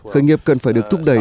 khởi nghiệp cần phải được thúc đẩy